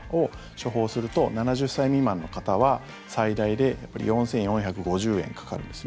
処方すると７０歳未満の方は最大で４４５０円かかるんです。